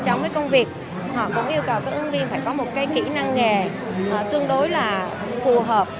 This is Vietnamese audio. trong công việc họ cũng yêu cầu các ứng viên phải có một cái kỹ năng nghề tương đối là phù hợp